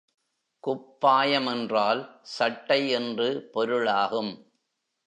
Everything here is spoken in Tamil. குப்பாயம் என்றால் சட்டை என்று பொருளாகும்.